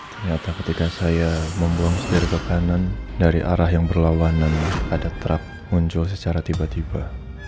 ternyata ketika saya membuang setir ke kanan dari arah yang berlawanan ada truk muncul secara tiba tiba